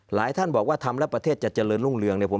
ท่านบอกว่าทำแล้วประเทศจะเจริญรุ่งเรืองเนี่ย